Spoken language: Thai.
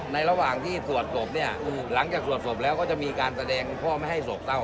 ในระหว่างที่หลังจากสวดศพแล้วก็จะมีการแสดงพ่อไม่ให้สกเศร้า